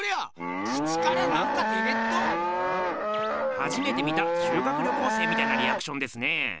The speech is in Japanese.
はじめて見た修学旅行生みたいなリアクションですねぇ。